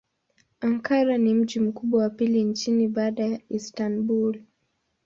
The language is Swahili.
Ankara ni mji mkubwa wa pili nchini baada ya Istanbul.